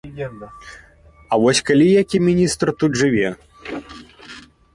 А вось калі які міністр тут жыве?